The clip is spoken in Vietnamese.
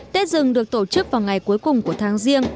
tết dừng được tổ chức vào ngày cuối cùng của tháng riêng